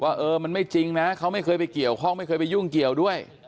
เออมันไม่จริงนะเขาไม่เคยไปเกี่ยวข้องไม่เคยไปยุ่งเกี่ยวด้วย